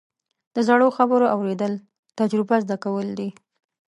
د زړو خبرو اورېدل، تجربه زده کول دي.